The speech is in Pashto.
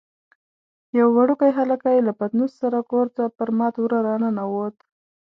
یو وړوکی هلکی له پتنوس سره کور ته پر مات وره راننوت.